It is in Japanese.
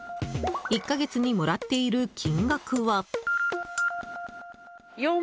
１か月にもらっている金額は。